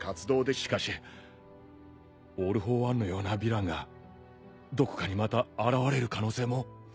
しかしオール・フォー・ワンのようなヴィランがどこかにまた現れる可能性も。